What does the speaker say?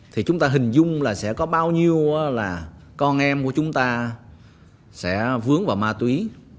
thì chúng ta hình dung là sẽ có bao nhiêu là con em của chúng ta sẽ vướng vào ma túy